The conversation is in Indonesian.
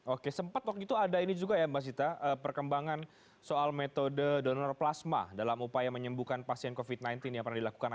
oke sempat waktu itu ada ini juga ya mbak sita perkembangan soal metode donor plasma dalam upaya menyembuhkan pasien covid sembilan belas yang pernah dilakukan